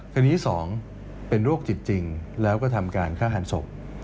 คดีที่๒เป็นโรคจิตจริงแล้วก็ทำการฆ่าหันศพ